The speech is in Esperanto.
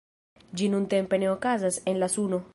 Ĝi nuntempe ne okazas en la Suno.